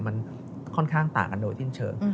มันค่อนข้างต่างกันโดยสิ้นเชิง